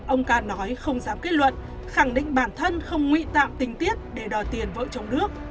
ông ca nói không dám kết luận khẳng định bản thân không nguy tạm tình tiết để đòi tiền vợ chồng nước